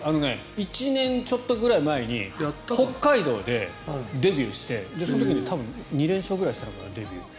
１年ちょっとくらい前に北海道でデビューしてその時に多分２連勝くらいしたのかなデビュー。